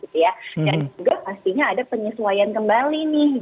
dan juga pastinya ada penyesuaian kembali nih